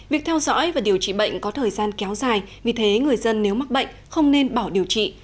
việc theo dõi và điều trị bệnh có thời gian kéo dài vì thế người dân nếu mắc bệnh không nên bỏ điều trị